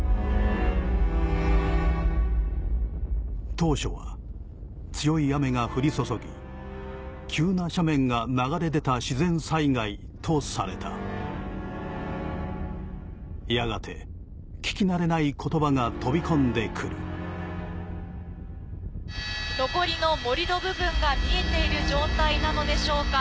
当初は強い雨が降り注ぎ急な斜面が流れ出た自然災害とされたやがて聞き慣れない言葉が飛び込んで来る残りの盛り土部分が見えている状態なのでしょうか。